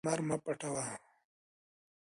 لمر مه پټوه.